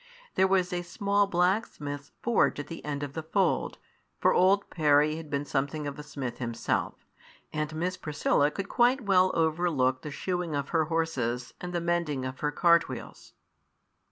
There was a small blacksmith's forge at the end of the fold, for old Parry had been something of a smith himself, and Miss Priscilla could quite well overlook the shoeing of her horses and the mending of her cart wheels.